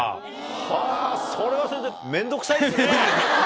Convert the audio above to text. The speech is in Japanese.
はー、それはずいぶん面倒くさいですね。